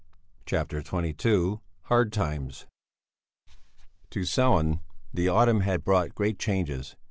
CHAPTER XXII HARD TIMES To Sellén also the autumn had brought great changes.